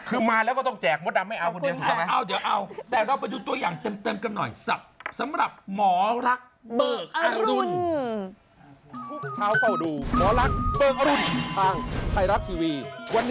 คือมาแล้วก็ต้องแจกมดดำไม่เอาคนเดียวถูกต้องไหม